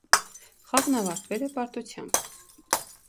Խաղն ավարտվել է պարտությամբ։